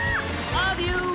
アデュー！